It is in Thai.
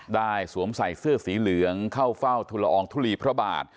สวมใส่เสื้อสีเหลืองเข้าเฝ้าทุลอองทุลีพระบาท